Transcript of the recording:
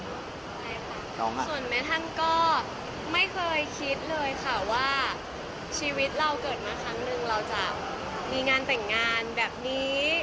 ใช่ค่ะส่วนแม้ท่านก็ไม่เคยคิดเลยค่ะว่าชีวิตเราเกิดมาครั้งหนึ่งเราจะมีงานแต่งงานแบบนี้